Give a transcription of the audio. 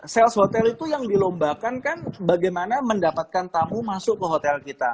sales hotel itu yang dilombakan kan bagaimana mendapatkan tamu masuk ke hotel kita